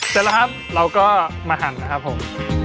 เสร็จแล้วครับเราก็มาหั่นนะครับผม